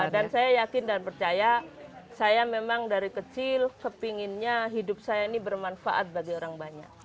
saya yakin dan percaya saya memang dari kecil kepinginnya hidup saya ini bermanfaat bagi orang banyak